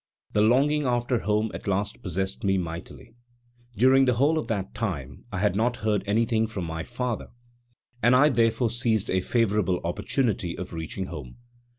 The longing after home at last possessed me mightily; during the whole of that time I had not heard anything from my father, and I therefore seized a favorable opportunity of reaching home.